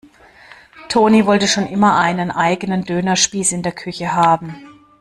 Toni wollte schon immer einen eigenen Dönerspieß in der Küche haben.